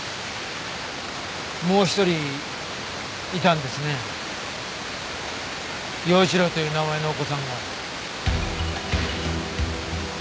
もう一人いたんですね耀一郎という名前のお子さんは。